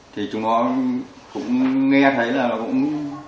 thì chúng nó cũng nghe thấy là nó cũng